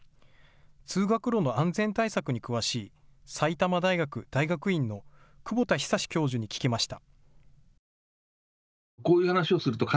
通学路の安全対策に詳しい埼玉大学大学院の久保田尚教授に聞きました。